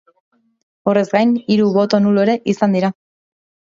Horrez gain, hiru boto nulo ere izan dira.